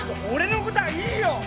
俺のことはいいよ。